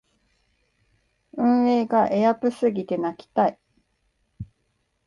運営がエアプすぎて泣きたい